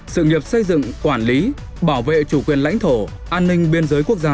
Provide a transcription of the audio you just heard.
sự nghiệp xây dựng quản lý bảo vệ chủ quyền lãnh thổ an ninh biên giới quốc gia